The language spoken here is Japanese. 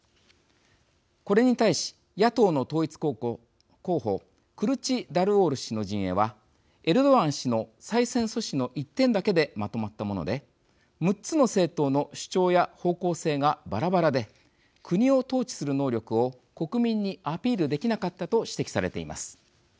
これに対し野党の統一候補クルチダルオール氏の陣営はエルドアン氏の再選阻止の１点だけでまとまったもので６つの政党の主張や方向性がばらばらで国を統治する能力を国民にアピールできなかったと指摘されています。